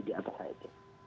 di atas it